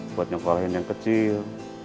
buat nyokohin yang kecil